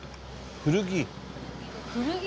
古着？